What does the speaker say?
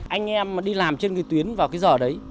anh em đi làm trên cái tuyến vào cái giờ đấy